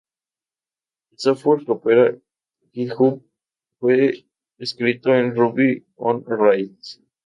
El software que opera GitHub fue escrito en Ruby on Rails.